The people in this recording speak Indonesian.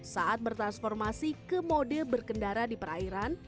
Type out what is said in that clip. saat bertransformasi ke mode berkendara di perairan